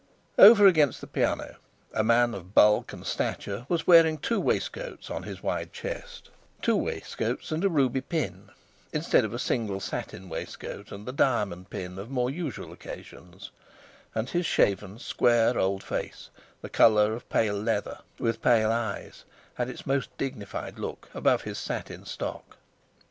Over against the piano a man of bulk and stature was wearing two waistcoats on his wide chest, two waistcoats and a ruby pin, instead of the single satin waistcoat and diamond pin of more usual occasions, and his shaven, square, old face, the colour of pale leather, with pale eyes, had its most dignified look, above his satin stock.